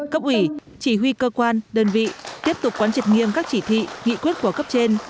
cấp ủy chỉ huy cơ quan đơn vị tiếp tục quán triệt nghiêm các chỉ thị nghị quyết của cấp trên